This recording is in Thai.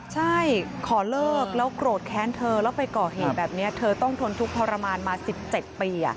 ใช่ขอเลิกแล้วโกรธแค้นเธอแล้วไปก่อเหตุแบบนี้เธอต้องทนทุกข์ทรมานมา๑๗ปี